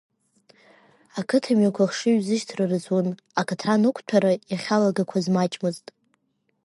Ақыҭа мҩақәа хшы-ҩзышьҭра рызун, акаҭран ықәҭәара иахьалагақәаз маҷӡамызт.